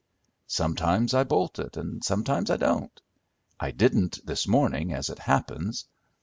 Sometimes I bolt it, and sometimes I don't. I didn't this morning, as it happens.